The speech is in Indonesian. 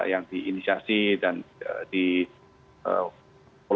yang diinisiasi dan dikembangkan